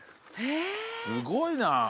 すごいな。